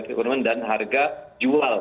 keekonomian dan harga jual